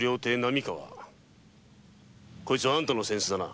こいつはあんたの扇子だな。